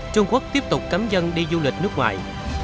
trung quốc tiếp tục cấm dân đi du lịch nước ngoài